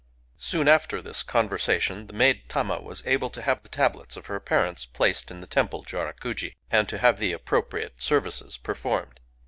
Soon after this conversation, the maid Tama was able to have the tablets of her parents placed in the temple Jorakuji, and to have the appropri ate services performed.